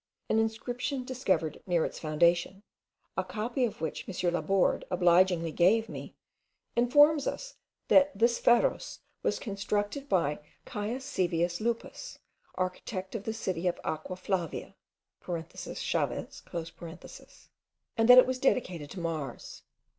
An inscription discovered near its foundation, a copy of which M. Laborde obligingly gave me, informs us, that this pharos was constructed by Caius Sevius Lupus, architect of the city of Aqua Flavia (Chaves), and that it was dedicated to Mars.